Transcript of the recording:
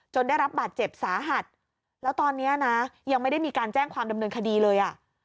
ได้รับบาดเจ็บสาหัสแล้วตอนนี้นะยังไม่ได้มีการแจ้งความดำเนินคดีเลยอ่ะ